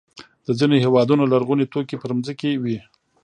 د ځینو هېوادونو لرغوني توکي پر ځمکې وي.